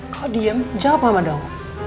kau diem jawab sama dong